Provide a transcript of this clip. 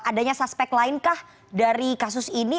adanya suspek lain kah dari kasus ini